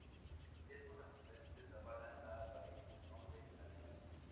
Estos antecedentes avalan la raíz del nombre Navidad.